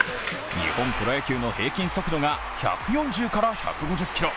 日本プロ野球の平均速度が１４０から１５０キロ。